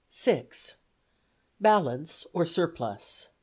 Balance or Surplus